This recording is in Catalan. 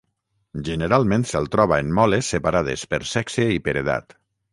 Generalment se'l troba en moles separades per sexe i per edat.